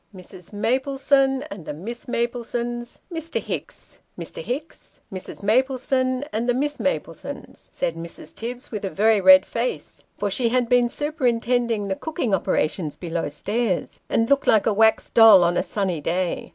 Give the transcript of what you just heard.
" Mrs. Maplesone and the Miss Maplesones, Mr. Hicks. Mr. Hicks Mrs. Maplesone and the Miss Maplesones," said Mrs. Tibbs, with a very red face, for she had been superintending the cooking operations below stairs, and looked like a wax doll on a sunny day.